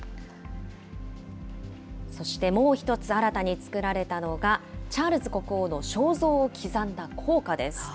そしてもう一つ、新たにつくられたのが、チャールズ国王の肖像を刻んだ硬貨です。